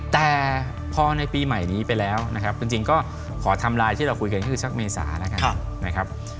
แต่พอในปีใหม่นี้ไปแล้วจริงก็ขอทำลายที่เราคุยกันซักเมษาละกัน